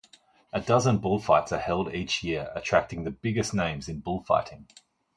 A dozen bullfights are held each year, attracting the biggest names in bullfighting.